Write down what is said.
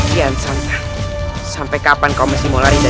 kian santan sampai kapan kau masih mau lari dari